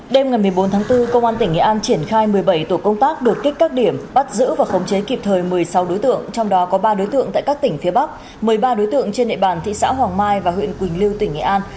đêm một mươi bốn tháng bốn công an tp nha trang triển khai một mươi bảy tổ công tác đột kích các điểm bắt giữ và khống chế kịp thời một mươi sáu đối tượng trong đó có ba đối tượng tại các tỉnh phía bắc một mươi ba đối tượng trên nệ bản thị xã hoàng mai và huyện quỳnh lưu tp nha trang